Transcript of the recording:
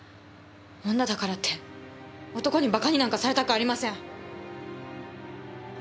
女だからって男にバカになんかされたくありません！